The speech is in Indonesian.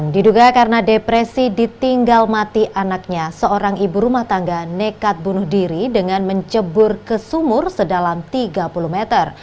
diduga karena depresi ditinggal mati anaknya seorang ibu rumah tangga nekat bunuh diri dengan mencebur ke sumur sedalam tiga puluh meter